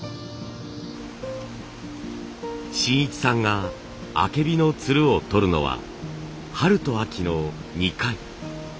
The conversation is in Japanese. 信一さんがあけびのつるを採るのは春と秋の２回。